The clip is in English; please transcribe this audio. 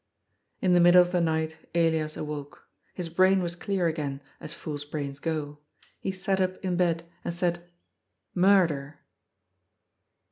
In the middle of the night Elias awoke. His brain was clear again, as fools' brains go. He sat up in bed, and said " Murder."